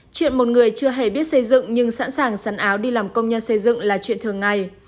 chuyện một người chưa hề biết xây dựng nhưng sẵn sàng sắn áo đi làm công nhân xây dựng là chuyện thường ngày